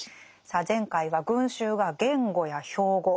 さあ前回は群衆は言語や標語